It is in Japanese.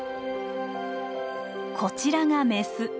こちらがメス。